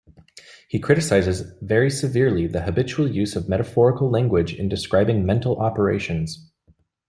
He criticizes very severely the habitual use of metaphorical language in describing mental operations.